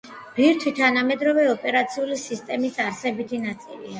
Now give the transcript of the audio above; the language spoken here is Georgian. ბირთვი თანამედროვე ოპერაციული სისტემების არსებითი ნაწილია.